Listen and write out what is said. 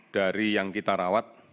dari yang kita rawat